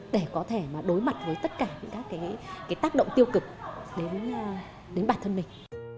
để có thể đối mặt với tất cả các tác động tiêu cực đến bản thân mình